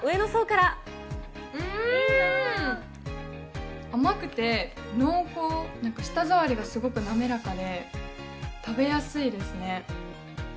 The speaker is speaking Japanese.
うーん！甘くて、濃厚、舌触りがすごく滑らかで、食べやすいですね。